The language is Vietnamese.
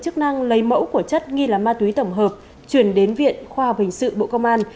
chức năng lấy mẫu của chất nghi là ma túy tổng hợp chuyển đến viện khoa học hình sự bộ công an